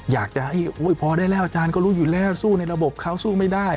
อยากจะให้พอได้แล้วอาจารย์ก็รู้อยู่แล้วสู้ในระบบเขาสู้ไม่ได้